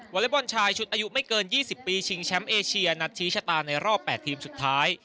อเล็กบอลชายชุดอายุไม่เกิน๒๐ปีชิงแชมป์เอเชียนัดชี้ชะตาในรอบ๘ทีมสุดท้าย